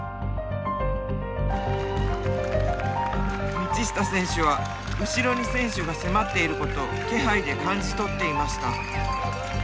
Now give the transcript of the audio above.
道下選手は後ろに選手が迫っていることを気配で感じ取っていました。